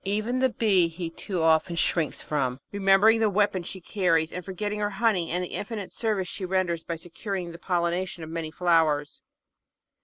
Even the Bee he too often shrinks from, remembering the weapon she carries and forgetting her honey and the infinite service she renders by securing the pollination of many flowers.